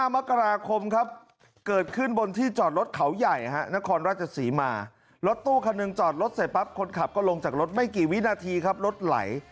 มกราคมครับเกิดขึ้นบนที่จอดรถเขาใหญ่นครราชศรีมารถตู้คันหนึ่งจอดรถเสร็จปั๊บคนขับก็ลงจากรถไม่กี่วินาทีครับรถไหล